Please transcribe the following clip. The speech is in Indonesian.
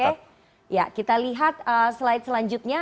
oke ya kita lihat slide selanjutnya